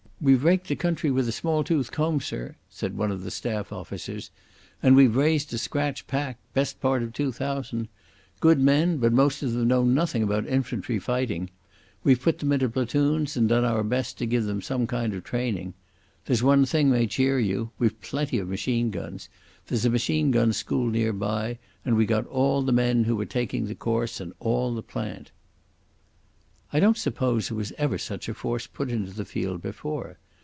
"We've raked the country with a small tooth comb, sir," said one of the staff officers. "And we've raised a scratch pack. Best part of two thousand. Good men, but most of them know nothing about infantry fighting. We've put them into platoons, and done our best to give them some kind of training. There's one thing may cheer you. We've plenty of machine guns. There's a machine gun school near by and we got all the men who were taking the course and all the plant." I don't suppose there was ever such a force put into the field before.